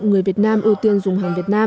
người việt nam ưu tiên dùng hàng việt nam